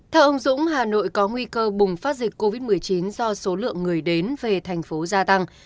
theo ông dũng hà nội có nguy cơ bùng phát dịch covid một mươi chín do số lượng người đến về thành phố gia tăng